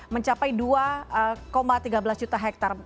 mencapai dua tiga belas juta hektare